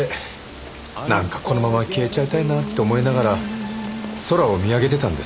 なんかこのまま消えちゃいたいなって思いながら空を見上げてたんです。